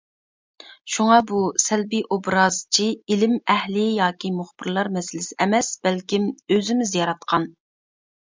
شۇڭا بۇ «سەلبىي ئوبراز» چى ئىلىم ئەھلى ياكى مۇخبىرلار مەسىلىسى ئەمەس بەلكىم ئۆزىمىز ياراتقان.